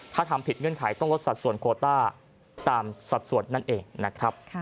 ถ้าทำผิดเงื่อนไขต้องลดสัดส่วนโคต้าตามสัดส่วนนั่นเองนะครับ